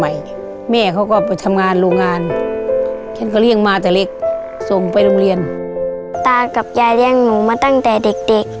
ยายเรียงหนูมาตั้งแต่เด็ก